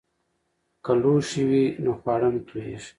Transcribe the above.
که لوښي وي نو خواړه نه توییږي.